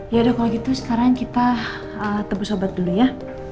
yaudah kalau gitu sekarang kita tebus obat dulu ya